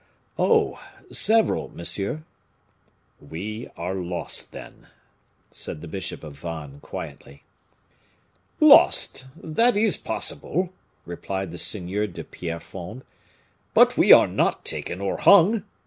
"Oh! several, monsieur." "We are lost, then," said the bishop of Vannes, quietly. "Lost! that is possible," replied the Seigneur de Pierrefonds, "but we are not taken or hung."